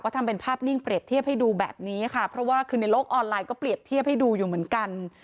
ทำเป็นภาพนิ่งเปรียบเทียบให้ดูแบบนี้ค่ะเพราะว่าคือในโลกออนไลน์ก็เปรียบเทียบให้ดูอยู่เหมือนกัน